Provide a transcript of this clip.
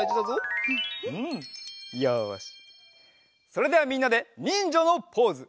それではみんなでにんじゃのポーズ！